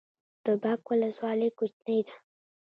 د باک ولسوالۍ کوچنۍ ده